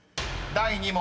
第２問］